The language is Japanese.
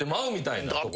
うみたいな。